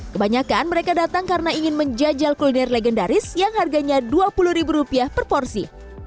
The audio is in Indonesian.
kebanyakan mereka datang karena ingin menjajal kuliner legendaris yang harganya dua puluh ribu rupiah per porsi